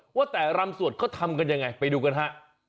ว่าแต่รำสวดเขาทำกันยังไงไปดูกันฮะ